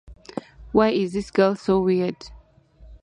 Why is this girl so weird?